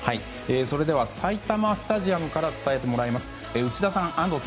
それでは、埼玉スタジアムから伝えてもらいます。